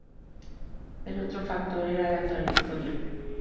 El otro factor era la trayectoria.